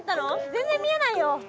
全然見えないよ。